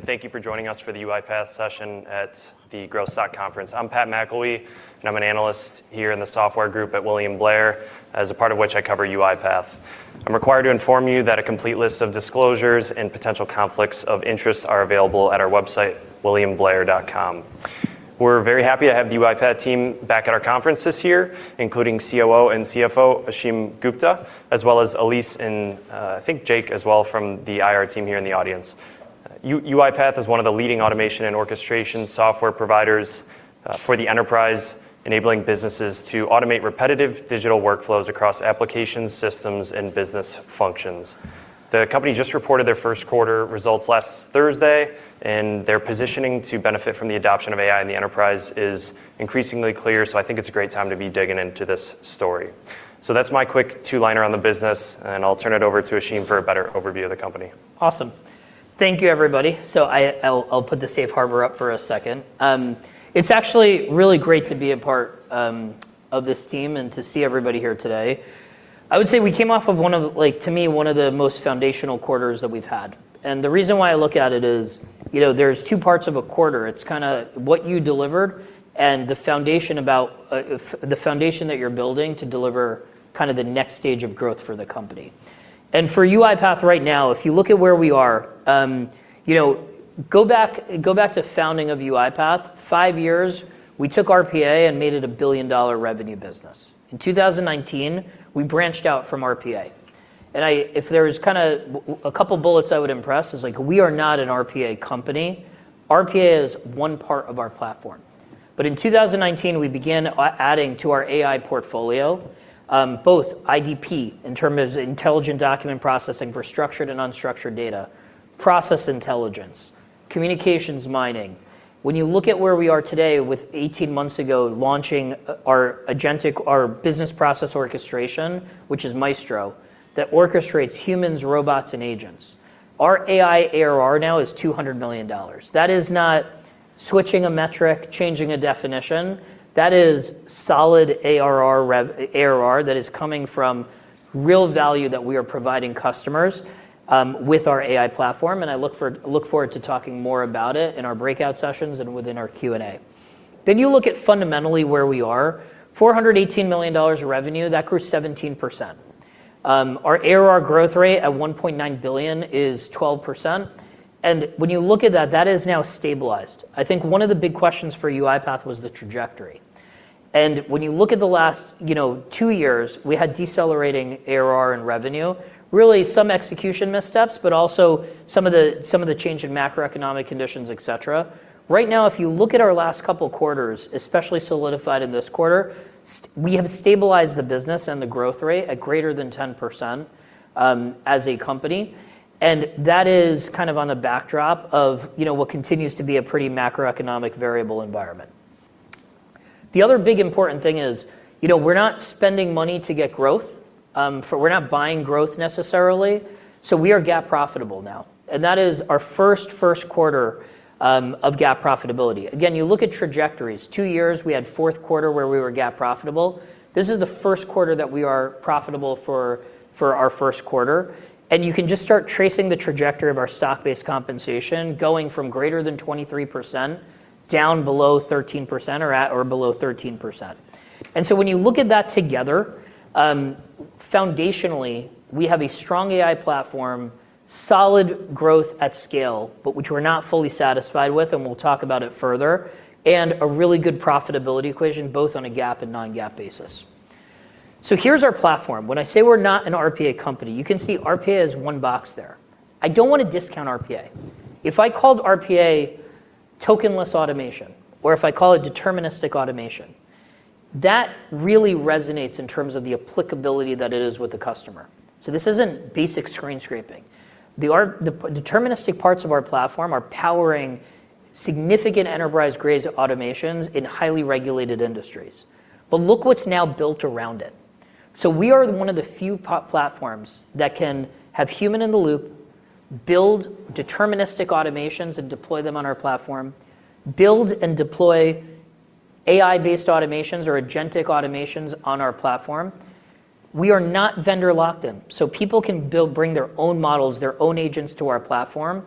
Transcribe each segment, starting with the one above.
Thank you for joining us for the UiPath session at the Growth Stock Conference. I'm Pat McElwee, and I'm an analyst here in the software group at William Blair, as a part of which I cover UiPath. I'm required to inform you that a complete list of disclosures and potential conflicts of interest are available at our website, williamblair.com. We're very happy to have the UiPath team back at our conference this year, including COO and CFO, Ashim Gupta, as well as Elise and, I think Jake as well from the IR team here in the audience. UiPath is one of the leading automation and orchestration software providers for the enterprise, enabling businesses to automate repetitive digital workflows across applications, systems, and business functions. The company just reported their first quarter results last Thursday, and their positioning to benefit from the adoption of AI in the enterprise is increasingly clear, so I think it's a great time to be digging into this story. That's my quick two-liner on the business, and I'll turn it over to Ashim for a better overview of the company. Awesome. Thank you, everybody. I'll put the safe harbor up for a second. It's actually really great to be a part of this team and to see everybody here today. I would say we came off of, to me, one of the most foundational quarters that we've had. The reason why I look at it as there's two parts of a quarter. It's what you delivered and the foundation that you're building to deliver the next stage of growth for the company. For UiPath right now, if you look at where we are, go back to founding of UiPath. five years, we took RPA and made it a billion-dollar revenue business. In 2019, we branched out from RPA. If there's a couple of bullets I would impress is we are not an RPA company. RPA is one part of our platform. In 2019, we began adding to our AI portfolio, both IDP, in terms of intelligent document processing for structured and unstructured data, Process Intelligence, Communications Mining. When you look at where we are today with 18 months ago launching our business process orchestration, which is Maestro, that orchestrates humans, robots, and agents. Our AI ARR now is $200 million. That is not switching a metric, changing a definition. That is solid ARR that is coming from real value that we are providing customers with our AI platform, and I look forward to talking more about it in our breakout sessions and within our Q&A. You look at fundamentally where we are, $418 million of revenue, that grew 17%. Our ARR growth rate at $1.9 billion is 12%, and when you look at that has now stabilized. I think one of the big questions for UiPath was the trajectory. When you look at the last two years, we had decelerating ARR and revenue, really some execution missteps, but also some of the change in macroeconomic conditions, et cetera. Right now, if you look at our last couple of quarters, especially solidified in this quarter, we have stabilized the business and the growth rate at greater than 10% as a company, that is on the backdrop of what continues to be a pretty macroeconomic variable environment. The other big important thing is we're not spending money to get growth, we're not buying growth necessarily, so we are GAAP profitable now. That is our first quarter of GAAP profitability. You look at trajectories. Two years, we had fourth quarter where we were GAAP profitable. This is the first quarter that we are profitable for our first quarter, and you can just start tracing the trajectory of our stock-based compensation going from greater than 23% down below 13%, or at or below 13%. When you look at that together, foundationally, we have a strong AI platform, solid growth at scale, but which we're not fully satisfied with, and we'll talk about it further, and a really good profitability equation, both on a GAAP and non-GAAP basis. Here's our platform. When I say we're not an RPA company, you can see RPA as one box there. I don't want to discount RPA. If I called RPA tokenless automation, or if I call it deterministic automation, that really resonates in terms of the applicability that it is with the customer. This isn't basic screen scraping. The deterministic parts of our platform are powering significant enterprise-grade automations in highly regulated industries. Look what's now built around it. We are one of the few platforms that can have human in the loop, build deterministic automations, and deploy them on our platform, build and deploy AI-based automations or agentic automations on our platform. We are not vendor locked in, so people can bring their own models, their own agents to our platform.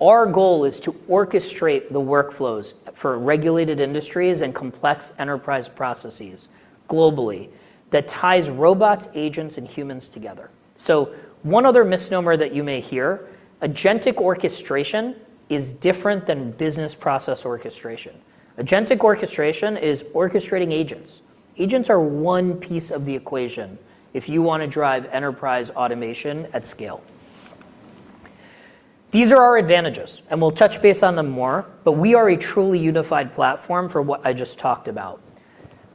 Our goal is to orchestrate the workflows for regulated industries and complex enterprise processes globally that ties robots, agents, and humans together. One other misnomer that you may hear, agentic orchestration is different than business process orchestration. Agentic orchestration is orchestrating agents. Agents are one piece of the equation if you want to drive enterprise automation at scale. These are our advantages, and we'll touch base on them more, but we are a truly unified platform for what I just talked about.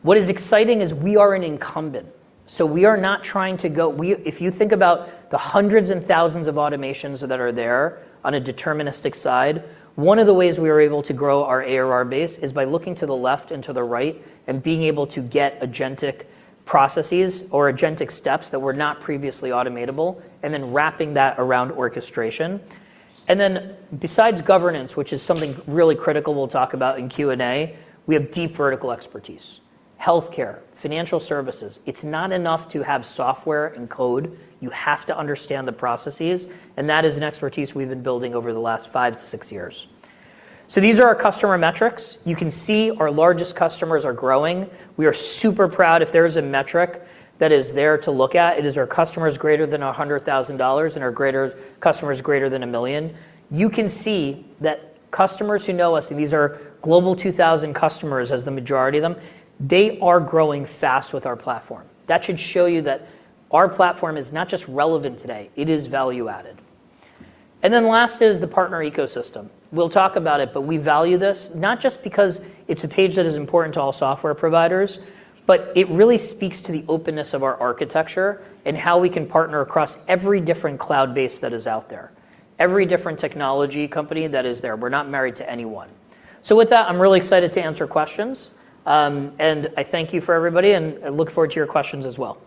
What is exciting is we are an incumbent. If you think about the hundreds and thousands of automations that are there on a deterministic side, one of the ways we are able to grow our ARR base is by looking to the left and to the right and being able to get agentic processes or agentic steps that were not previously automatable, and then wrapping that around orchestration. Besides governance, which is something really critical we'll talk about in Q&A, we have deep vertical expertise: Healthcare, financial services. It's not enough to have software and code. You have to understand the processes, and that is an expertise we've been building over the last five to six years. These are our customer metrics. You can see our largest customers are growing. We are super proud. If there is a metric that is there to look at, it is our customers greater than $100,000 and our customers greater than $1 million. You can see that customers who know us, these are Global 2000 customers as the majority of them, they are growing fast with our platform. That should show you that our platform is not just relevant today, it is value added. Last is the partner ecosystem. We'll talk about it, but we value this, not just because it's a page that is important to all software providers, but it really speaks to the openness of our architecture and how we can partner across every different cloud base that is out there. Every different technology company that is there. We're not married to anyone. With that, I'm really excited to answer questions. I thank you for everybody, and I look forward to your questions as well.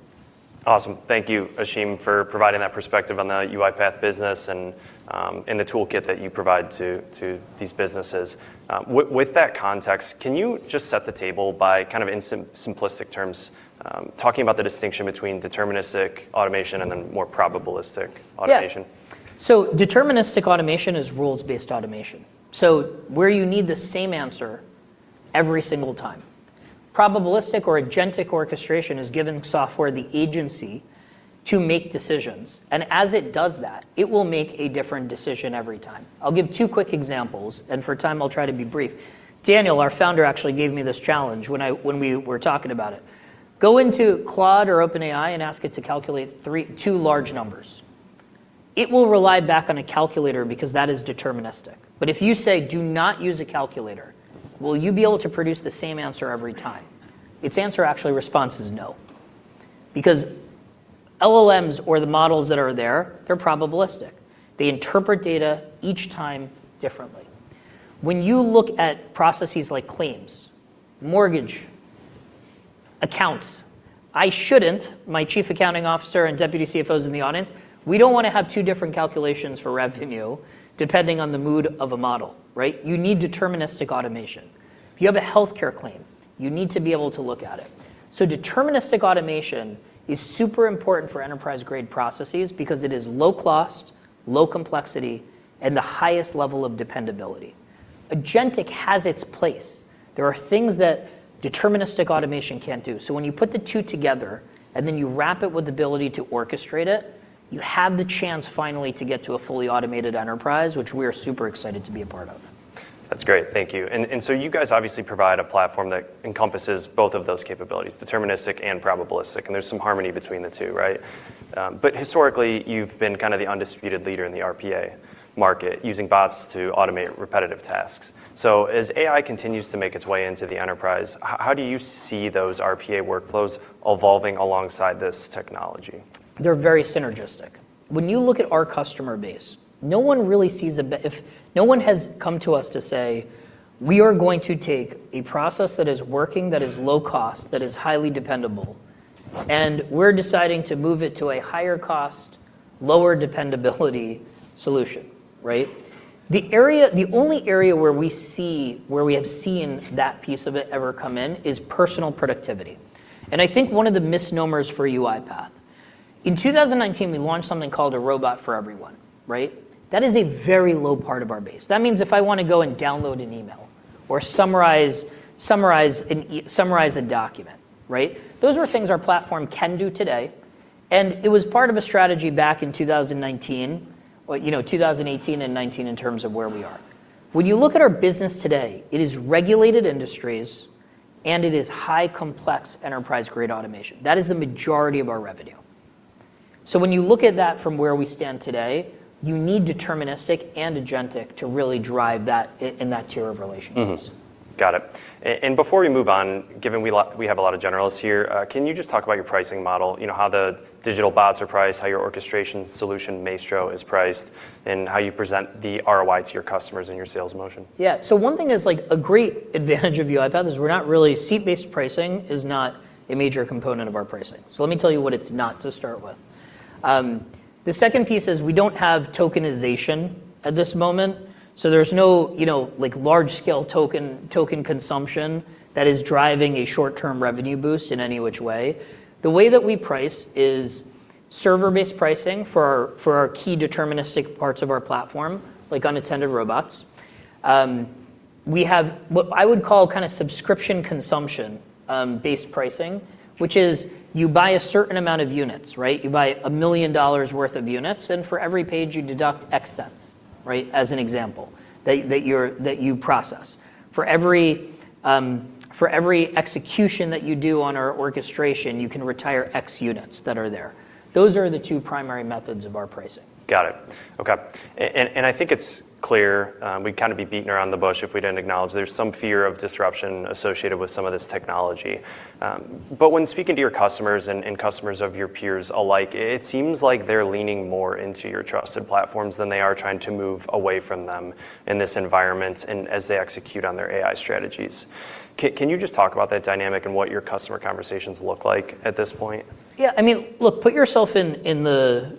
Awesome. Thank you, Ashim, for providing that perspective on the UiPath business and the toolkit that you provide to these businesses. With that context, can you just set the table by kind of in simplistic terms, talking about the distinction between deterministic automation and then more probabilistic automation? Yeah. Deterministic automation is rules-based automation. Where you need the same answer every single time. Probabilistic or agentic orchestration has given software the agency to make decisions. As it does that, it will make a different decision every time. I'll give two quick examples, and for time I'll try to be brief. Daniel, our founder, actually gave me this challenge when we were talking about it. Go into Claude or OpenAI and ask it to calculate two large numbers. It will rely back on a calculator because that is deterministic. If you say, "Do not use a calculator," will you be able to produce the same answer every time? Its answer actually response is no, because LLMs or the models that are there, they're probabilistic. They interpret data each time differently. When you look at processes like claims, mortgage, accounts, I shouldn't, my Chief Accounting Officer and Deputy CFOs in the audience, we don't want to have two different calculations for revenue depending on the mood of a model. Right? You need deterministic automation. If you have a healthcare claim, you need to be able to look at it. Deterministic automation is super important for enterprise-grade processes because it is low cost, low complexity, and the highest level of dependability. Agentic has its place. There are things that deterministic automation can't do. When you put the two together and then you wrap it with the ability to orchestrate it, you have the chance finally to get to a fully automated enterprise, which we are super excited to be a part of. That's great. Thank you. You guys obviously provide a platform that encompasses both of those capabilities, deterministic and probabilistic, and there's some harmony between the two, right? Historically, you've been kind of the undisputed leader in the RPA market using bots to automate repetitive tasks. As AI continues to make its way into the enterprise, how do you see those RPA workflows evolving alongside this technology? They're very synergistic. When you look at our customer base, no one has come to us to say, "We are going to take a process that is working, that is low cost, that is highly dependable, and we're deciding to move it to a higher cost, lower dependability solution." Right? The only area where we have seen that piece of it ever come in is personal productivity. I think one of the misnomers for UiPath. In 2019, we launched something called A Robot For Everyone. Right? That is a very low part of our base. That means if I want to go and download an email or summarize a document. Right? Those are things our platform can do today, and it was part of a strategy back in 2019. Well, 2018 and 2019 in terms of where we are. When you look at our business today, it is regulated industries, and it is high complex enterprise-grade automation. That is the majority of our revenue. When you look at that from where we stand today, you need deterministic and agentic to really drive that in that tier of relationships. Got it. Before we move on, given we have a lot of generals here, can you just talk about your pricing model? How the digital bots are priced, how your orchestration solution Maestro is priced, and how you present the ROI to your customers and your sales motion? Yeah. One thing is like a great advantage of UiPath is we're not really seat-based pricing is not a major component of our pricing. Let me tell you what it's not to start with. The second piece is we don't have tokenization at this moment, so there's no large-scale token consumption that is driving a short-term revenue boost in any which way. The way that we price is server-based pricing for our key deterministic parts of our platform, like unattended robots. We have what I would call kind of subscription consumption-based pricing, which is you buy a certain amount of units, right? You buy $1 million worth of units, and for every page you deduct X cents, right? As an example, that you process. For every execution that you do on our orchestration, you can retire X units that are there. Those are the two primary methods of our pricing. Got it. Okay. I think it's clear, we'd kind of be beating around the bush if we didn't acknowledge there's some fear of disruption associated with some of this technology. When speaking to your customers and customers of your peers alike, it seems like they're leaning more into your trusted platforms than they are trying to move away from them in this environment and as they execute on their AI strategies. Can you just talk about that dynamic and what your customer conversations look like at this point? Yeah. I mean, look, put yourself in the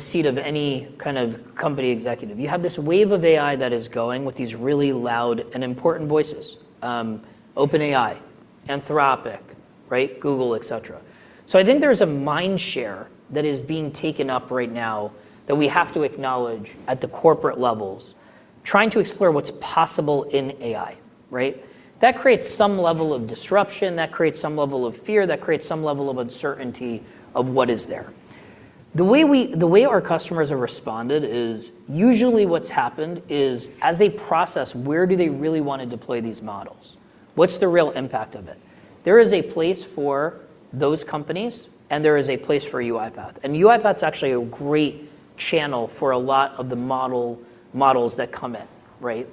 seat of any kind of company executive. You have this wave of AI that is going with these really loud and important voices. OpenAI, Anthropic, Google, et cetera. I think there's a mind share that is being taken up right now that we have to acknowledge at the corporate levels, trying to explore what's possible in AI. That creates some level of disruption, that creates some level of fear, that creates some level of uncertainty of what is there. The way our customers have responded is, usually what's happened is as they process, where do they really want to deploy these models? What's the real impact of it? There is a place for those companies, and there is a place for UiPath. UiPath's actually a great channel for a lot of the models that come in.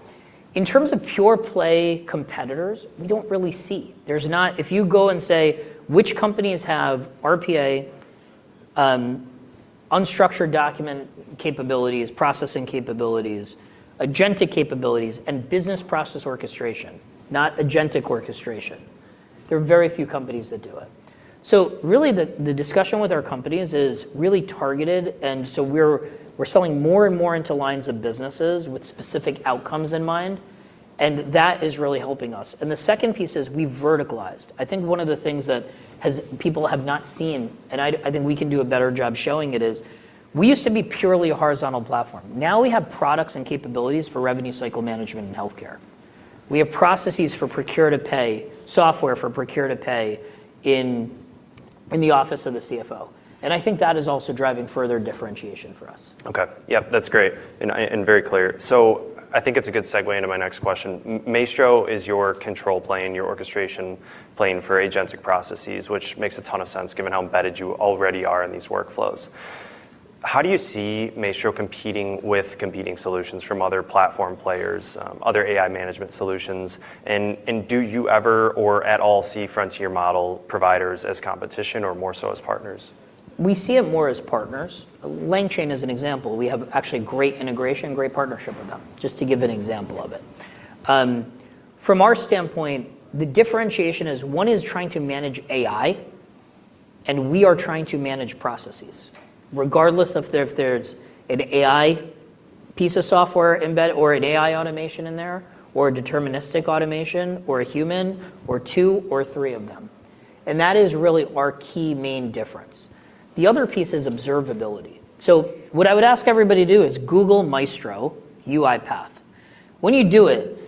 In terms of pure play competitors, we don't really see. If you go and say which companies have RPA, unstructured document capabilities, processing capabilities, agentic capabilities, and business process orchestration, not agentic orchestration, there are very few companies that do it. Really the discussion with our companies is really targeted, we're selling more and more into lines of businesses with specific outcomes in mind, and that is really helping us. The second piece is we've verticalized. I think one of the things that people have not seen, and I think we can do a better job showing it, is we used to be purely a horizontal platform. Now we have products and capabilities for revenue cycle management and healthcare. We have processes for procure to pay, software for procure to pay in the office of the CFO, and I think that is also driving further differentiation for us. Okay. Yep, that's great, and very clear. I think it's a good segue into my next question. Maestro is your control plane, your orchestration plane for agentic processes, which makes a ton of sense given how embedded you already are in these workflows. How do you see Maestro competing with competing solutions from other platform players, other AI management solutions, and do you ever or at all see frontier model providers as competition or more so as partners? We see it more as partners. LangChain as an example, we have actually great integration, great partnership with them, just to give an example of it. From our standpoint, the differentiation is one is trying to manage AI, and we are trying to manage processes, regardless if there's an AI piece of software embedded or an AI automation in there, or a deterministic automation, or a human, or two or three of them. That is really our key main difference. The other piece is observability. What I would ask everybody to do is Google Maestro UiPath. When you do it,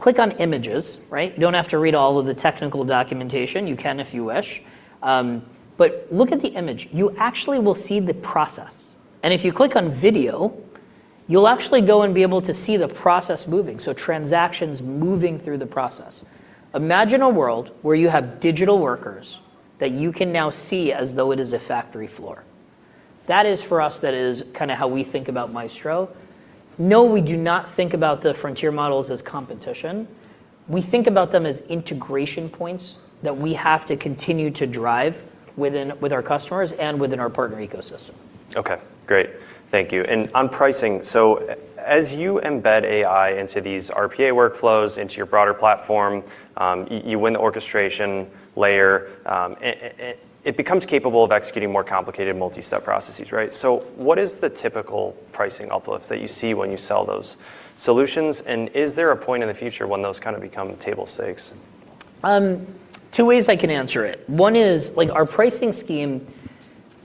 click on Images. You don't have to read all of the technical documentation. You can if you wish. Look at the image. You actually will see the process. If you click on Video, you'll actually go and be able to see the process moving. Transactions moving through the process. Imagine a world where you have digital workers that you can now see as though it is a factory floor. That is for us, that is kind of how we think about Maestro. No, we do not think about the frontier models as competition. We think about them as integration points that we have to continue to drive with our customers and within our partner ecosystem. Okay, great. Thank you. On pricing, as you embed AI into these RPA workflows, into your broader platform, you win the orchestration layer, it becomes capable of executing more complicated multi-step processes, right? What is the typical pricing uplift that you see when you sell those solutions, and is there a point in the future when those kind of become table stakes? Two ways I can answer it. One is our pricing scheme,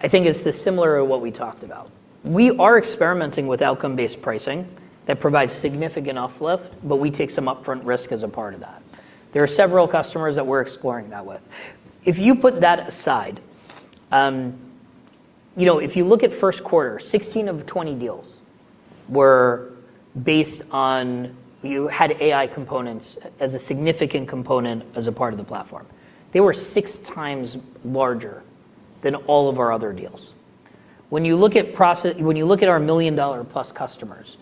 I think, is similar to what we talked about. We are experimenting with outcome-based pricing that provides significant uplift, but we take some upfront risk as a part of that. There are several customers that we're exploring that with. If you put that aside, if you look at first quarter, 16 of 20 deals had AI components as a significant component as a part of the platform. They were six times larger than all of our other deals. When you look at our million-dollar-plus customers,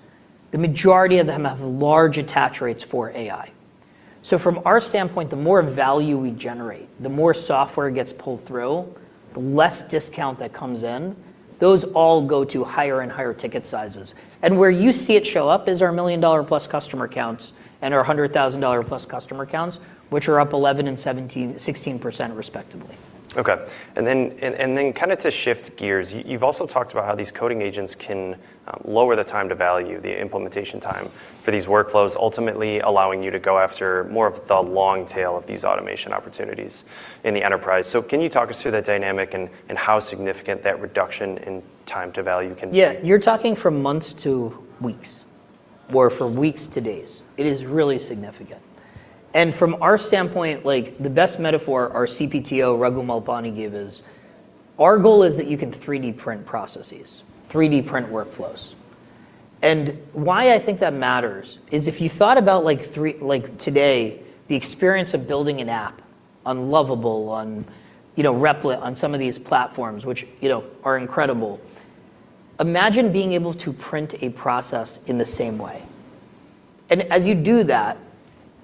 the majority of them have large attach rates for AI. From our standpoint, the more value we generate, the more software gets pulled through, the less discount that comes in. Those all go to higher and higher ticket sizes. Where you see it show up is our million-dollar-plus customer counts and our $100,000+ customer counts, which are up 11 and 16% respectively. Okay. Kind of to shift gears, you've also talked about how these Coded Agents can lower the time to value, the implementation time for these workflows, ultimately allowing you to go after more of the long tail of these automation opportunities in the enterprise. Can you talk us through that dynamic and how significant that reduction in time to value can be? Yeah. You're talking from months to weeks or from weeks to days. It is really significant. From our standpoint, the best metaphor our CPTO Raghavendra Malpani gave is our goal is that you can 3D print processes, 3D print workflows. Why I think that matters is if you thought about today, the experience of building an app on Lovable, on Replit, on some of these platforms, which are incredible, imagine being able to print a process in the same way. As you do that,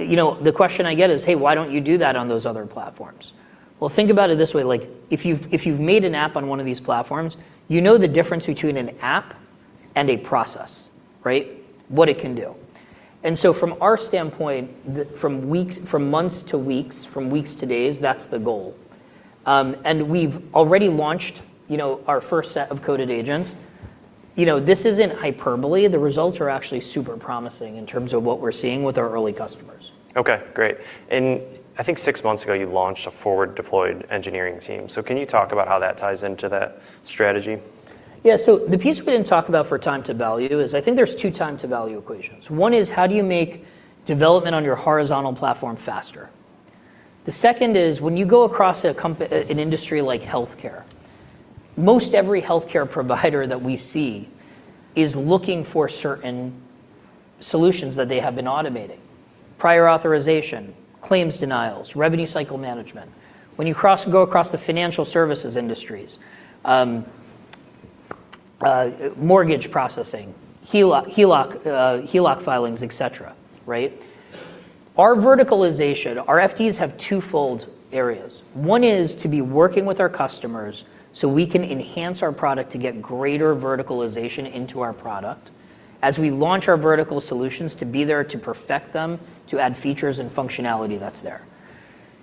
the question I get is, "Hey, why don't you do that on those other platforms?" Well, think about it this way. If you've made an app on one of these platforms, you know the difference between an app and a process, what it can do. From our standpoint, from months to weeks, from weeks to days, that's the goal. We've already launched our first set of Coded Agents. This isn't hyperbole. The results are actually super promising in terms of what we're seeing with our early customers. Okay, great. I think six months ago, you launched a forward deployed engineering team. Can you talk about how that ties into that strategy? The piece we didn't talk about for time to value is I think there's two time to value equations. One is how do you make development on your horizontal platform faster? The second is when you go across an industry like healthcare, most every healthcare provider that we see is looking for certain solutions that they have been automating. Prior authorization, claims denials, revenue cycle management. When you go across the financial services industries, mortgage processing, HELOC filings, et cetera. Right. Our verticalization, our FDEs have twofold areas. One is to be working with our customers so we can enhance our product to get greater verticalization into our product as we launch our vertical solutions to be there to perfect them, to add features and functionality that's there.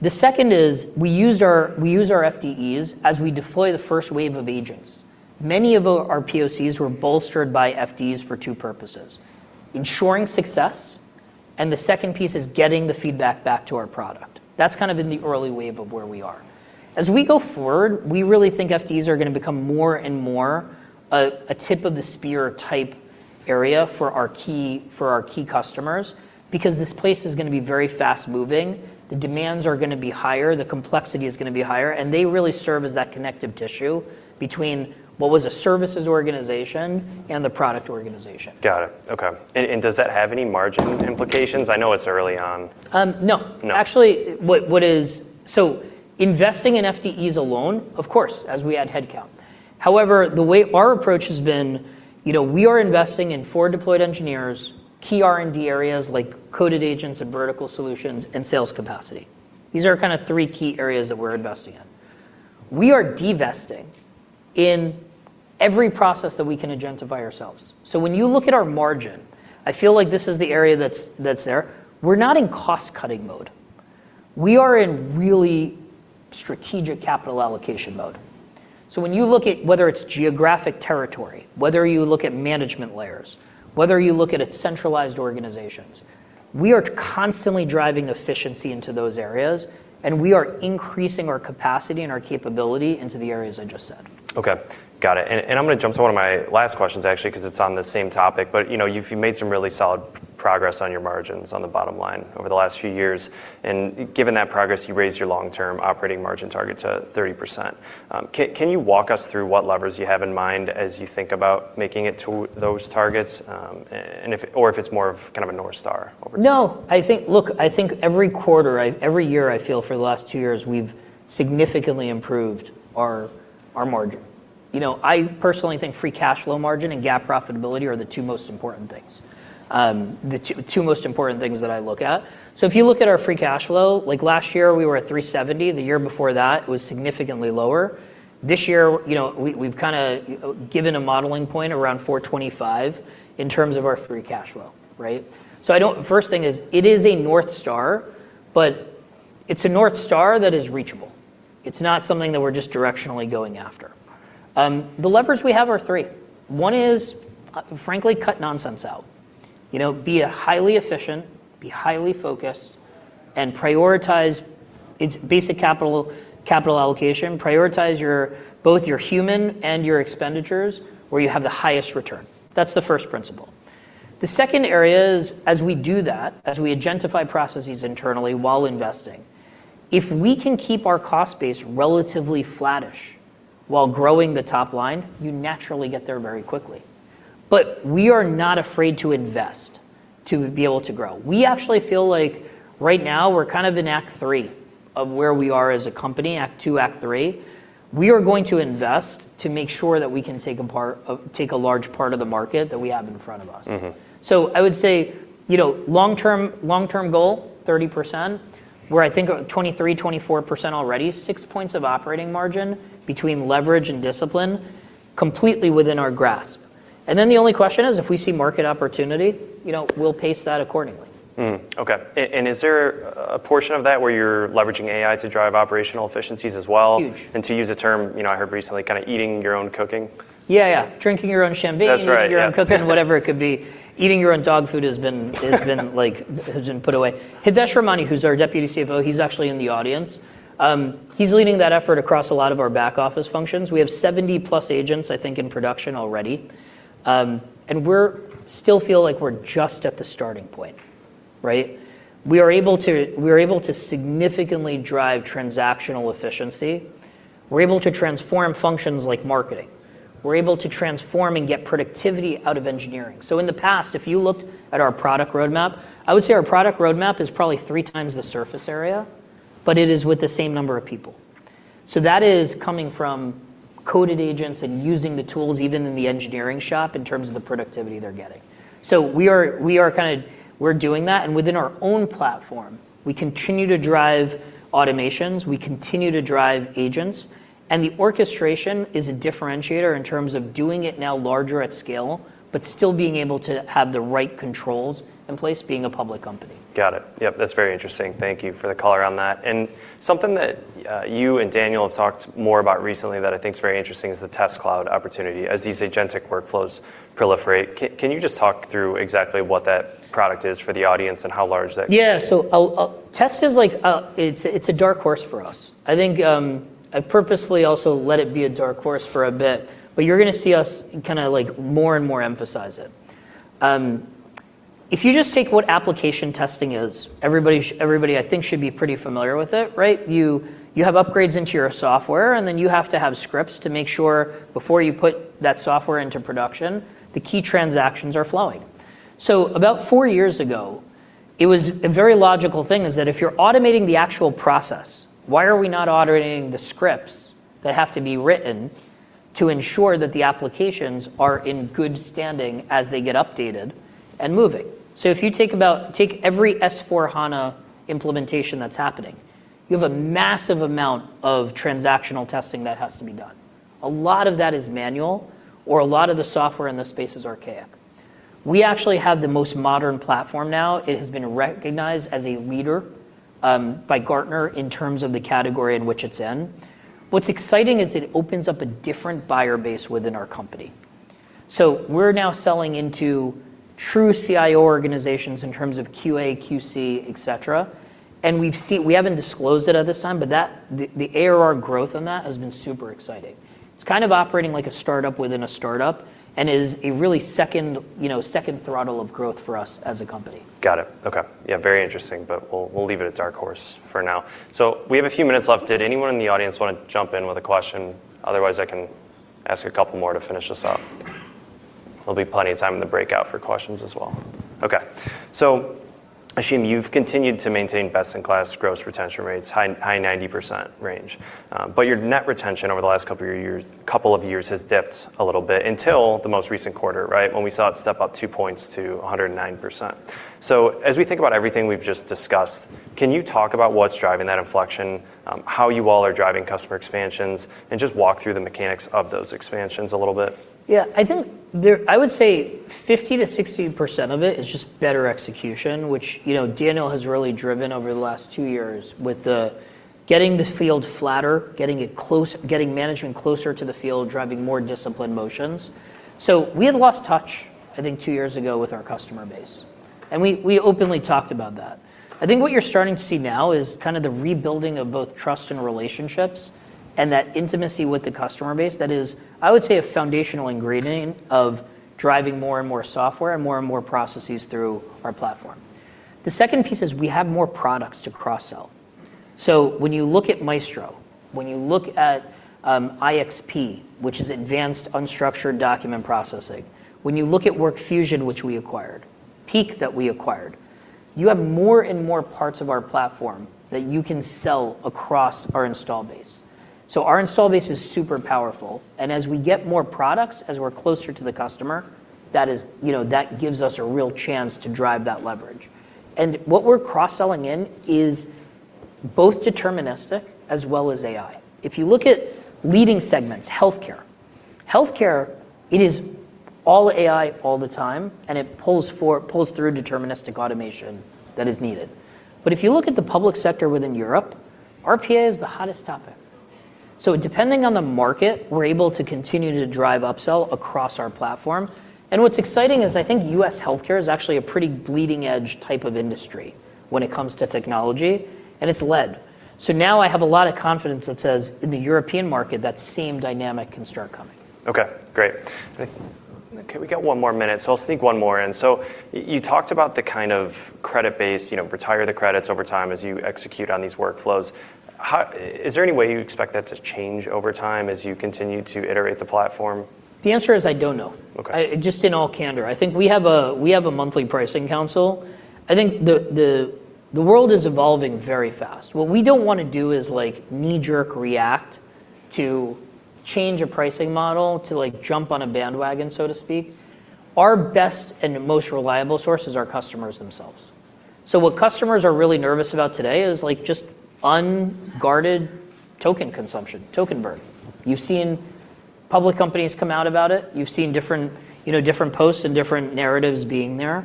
The second is we use our FDEs as we deploy the first wave of agents. Many of our POCs were bolstered by FDEs for two purposes, ensuring success, and the second piece is getting the feedback back to our product. That's kind of in the early wave of where we are. As we go forward, we really think FDEs are going to become more and more a tip-of-the-spear type area for our key customers because this place is going to be very fast-moving. The demands are going to be higher, the complexity is going to be higher, and they really serve as that connective tissue between what was a services organization and the product organization. Got it. Okay. Does that have any margin implications? I know it's early on. No. No. Investing in FDEs alone, of course, as we add headcount. However, the way our approach has been, we are investing in four deployed engineers, key R&D areas like Coded Agents and vertical solutions, and sales capacity. These are our three key areas that we're investing in. We are divesting in every process that we can agentify ourselves. When you look at our margin, I feel like this is the area that's there. We're not in cost-cutting mode. We are in really strategic capital allocation mode. When you look at whether it's geographic territory, whether you look at management layers, whether you look at its centralized organizations, we are constantly driving efficiency into those areas, and we are increasing our capacity and our capability into the areas I just said. Okay. Got it. I'm going to jump to one of my last questions, actually, because it's on the same topic. You've made some really solid progress on your margins on the bottom line over the last few years. Given that progress, you raised your long-term operating margin target to 30%. Can you walk us through what levers you have in mind as you think about making it to those targets? Or if it's more of a North Star over time. No. Look, I think every quarter, every year, I feel for the last two years, we've significantly improved our margin. I personally think free cash flow margin and GAAP profitability are the two most important things. The two most important things that I look at. If you look at our free cash flow, last year, we were at $370 million. The year before that, it was significantly lower. This year, we've given a modeling point around $425 million in terms of our free cash flow. Right? First thing is it is a North Star, but it's a North Star that is reachable. It's not something that we're just directionally going after. The levers we have are three. One is, frankly, cut nonsense out. Be highly efficient, be highly focused, and prioritize its basic capital allocation. Prioritize both your human and your expenditures where you have the highest return. That's the first principle. The second area is as we do that, as we agentify processes internally while investing, if we can keep our cost base relatively flattish while growing the top line, you naturally get there very quickly. We are not afraid to invest to be able to grow. We actually feel like right now, we're in act three of where we are as a company, act two, act three. We are going to invest to make sure that we can take a large part of the market that we have in front of us. I would say, long-term goal, 30%, we're I think 23, 24% already. Six points of operating margin between leverage and discipline, completely within our grasp. The only question is, if we see market opportunity, we'll pace that accordingly. Mm-hmm. Okay. Is there a portion of that where you're leveraging AI to drive operational efficiencies as well? Huge. To use a term I heard recently, eating your own cooking. Yeah. Drinking your own champagne. That's right. Yeah. Eating your own cooking, whatever it could be. Eating your own dog food put away. Hitesh Ramani, who is our Deputy CFO, he is actually in the audience. He is leading that effort across a lot of our back office functions. We have 70+ agents, I think, in production already. We still feel like we are just at the starting point. Right? We are able to significantly drive transactional efficiency. We are able to transform functions like marketing. We are able to transform and get productivity out of engineering. In the past, if you looked at our product roadmap, I would say our product roadmap is probably three times the surface area, but it is with the same number of people. That is coming from Coded Agents and using the tools even in the engineering shop in terms of the productivity they are getting. We're doing that, within our own platform, we continue to drive automations, we continue to drive agents, the orchestration is a differentiator in terms of doing it now larger at scale, but still being able to have the right controls in place, being a public company. Got it. Yep, that's very interesting. Thank you for the color on that. Something that you and Daniel have talked more about recently that I think is very interesting is the Test Cloud opportunity as these agentic workflows proliferate. Can you just talk through exactly what that product is for the audience and how large that? Yeah. Test Cloud it's a dark horse for us. I think, I purposefully also let it be a dark horse for a bit, but you're going to see us more and more emphasize it. If you just take what application testing is, everybody I think should be pretty familiar with it, right? You have upgrades into your software, and then you have to have scripts to make sure before you put that software into production, the key transactions are flowing. About four years ago, it was a very logical thing is that if you're automating the actual process, why are we not automating the scripts that have to be written to ensure that the applications are in good standing as they get updated and moving? If you take every S/4HANA implementation that's happening, you have a massive amount of transactional testing that has to be done. A lot of that is manual or a lot of the software in the space is archaic. We actually have the most modern platform now. It has been recognized as a leader by Gartner in terms of the category in which it's in. What's exciting is it opens up a different buyer base within our company. We're now selling into true CIO organizations in terms of QA, QC, et cetera. We haven't disclosed it at this time, but the ARR growth on that has been super exciting. It's kind of operating like a startup within a startup, and is a really second throttle of growth for us as a company. Got it. Okay. Yeah, very interesting. We'll leave it at dark horse for now. We have a few minutes left. Did anyone in the audience want to jump in with a question? Otherwise, I can ask a couple more to finish this up. There'll be plenty of time in the breakout for questions as well. Okay. Ashim, you've continued to maintain best-in-class gross retention rates, high 90% range. Your net retention over the last couple of years has dipped a little bit until the most recent quarter, right? When we saw it step up two points to 109%. As we think about everything we've just discussed, can you talk about what's driving that inflection? How you all are driving customer expansions, and just walk through the mechanics of those expansions a little bit. I think, I would say 50%-60% of it is just better execution, which Daniel has really driven over the last two years with the getting the field flatter, getting management closer to the field, driving more disciplined motions. We had lost touch, I think, two years ago with our customer base, and we openly talked about that. I think what you're starting to see now is the rebuilding of both trust and relationships and that intimacy with the customer base. That is, I would say, a foundational ingredient of driving more and more software and more and more processes through our platform. The second piece is we have more products to cross-sell. When you look at Maestro, when you look at IXP, which is advanced unstructured document processing. When you look at WorkFusion, which we acquired, Peak, that we acquired, you have more and more parts of our platform that you can sell across our install base. Our install base is super powerful, and as we get more products, as we're closer to the customer, that gives us a real chance to drive that leverage. What we're cross-selling in is both deterministic as well as AI. If you look at leading segments, healthcare. Healthcare, it is all AI all the time, and it pulls through deterministic automation that is needed. If you look at the public sector within Europe, RPA is the hottest topic. Depending on the market, we're able to continue to drive upsell across our platform. What's exciting is I think U.S. healthcare is actually a pretty bleeding edge type of industry when it comes to technology, and it's led. Now I have a lot of confidence that says in the European market, that same dynamic can start coming. Okay, great. Okay, we got one more minute, so I'll sneak one more in. You talked about the kind of credit base, retire the credits over time as you execute on these workflows. Is there any way you expect that to change over time as you continue to iterate the platform? The answer is, I don't know. Okay. In all candor, I think we have a monthly pricing council. I think the world is evolving very fast. What we don't want to do is knee-jerk react to change a pricing model, to jump on a bandwagon, so to speak. Our best and most reliable source is our customers themselves. What customers are really nervous about today is just unguarded token consumption, token burn. You've seen public companies come out about it. You've seen different posts and different narratives being there.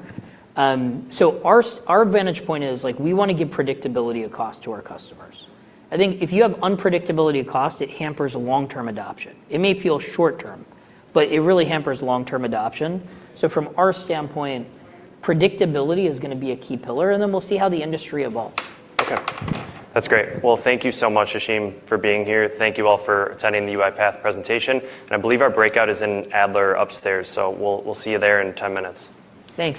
Our vantage point is we want to give predictability of cost to our customers. I think if you have unpredictability of cost, it hampers long-term adoption. It may feel short-term, but it really hampers long-term adoption. From our standpoint, predictability is going to be a key pillar, and then we'll see how the industry evolves. Okay. That's great. Thank you so much, Ashim, for being here. Thank you all for attending the UiPath presentation, and I believe our breakout is in Adler upstairs. We'll see you there in 10 minutes. Thank you.